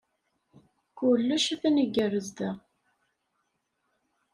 Kullec a-t-an igerrez da.